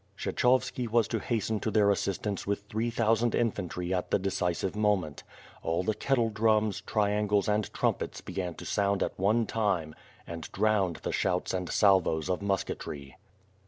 Kshechovski was to hasten to their assistance with three thousand infantry at the decisive moment. All the kettle drums, triangles, and trum]>ets began to sound at one time and drowned the shouts and salvos of musketry.